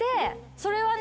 それはね。